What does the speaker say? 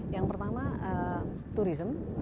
yang pertama turism